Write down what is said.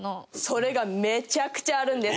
それがめちゃくちゃあるんです。